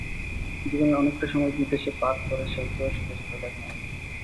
জীবনের অনেকটা সময় বিদেশে পার করে শেষ বয়সে দেশে চলে আসেন অনেকেই।